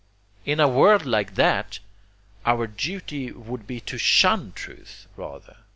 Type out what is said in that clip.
In a world like that, our duty would be to SHUN truth, rather.